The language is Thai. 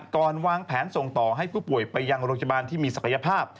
ก่อนวางแผนส่งต่อให้ผู้ป่วยไปยังโรงพยาบาลที่มีศักยภาพ